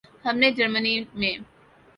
ہم نہ جرمنی ہیں۔